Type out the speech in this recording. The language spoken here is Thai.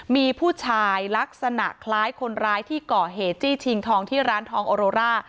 มีผู้ชายลักษณะคล้ายคนร้ายที่ก่อเหตุจี้ชิงทองที่ร้านทองโอโรล่า